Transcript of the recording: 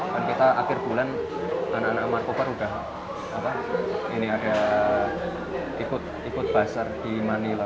kan kita akhir bulan anak anak markobar udah ini ada ikut pasar di manila